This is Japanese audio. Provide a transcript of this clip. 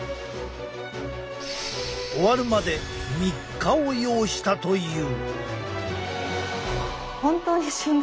終わるまで３日を要したという。